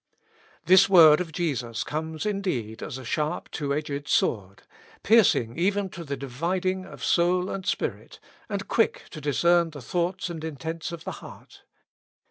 ^ This word of Jesus comes indeed as a sharp two edged sword, piercing even to the dividing of sou and spirit, and quick to discern the thoughts and intents of the heart.